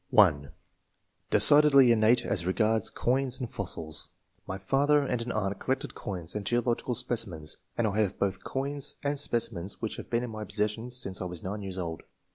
(1) " Decidedly innate as regards coins and fossils. My father and an aunt collected coins and geological specimens, and I have both coins and specimens which have been in my pos session since I was 9 years old.